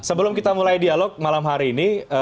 sebelum kita mulai dialog malam hari ini